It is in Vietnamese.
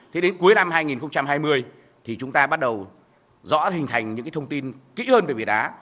giữa năm hai nghìn hai mươi thì chúng ta bắt đầu rõ hình thành những cái thông tin kỹ hơn về việt á